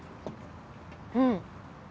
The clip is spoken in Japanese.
うん。